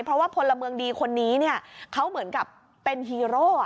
เพราะว่าพลเมืองดีคนนี้เนี่ยเขาเหมือนกับเป็นฮีโร่